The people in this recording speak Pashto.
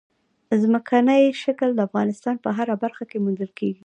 ځمکنی شکل د افغانستان په هره برخه کې موندل کېږي.